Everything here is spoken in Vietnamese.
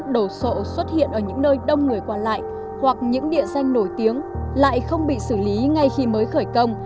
đồ sộ xuất hiện ở những nơi đông người qua lại hoặc những địa danh nổi tiếng lại không bị xử lý ngay khi mới khởi công